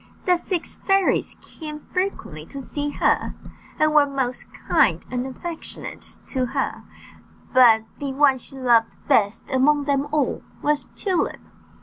The six fairies came frequently to see her, and were most kind and affectionate to her; but the one she loved best among them all was Tulip.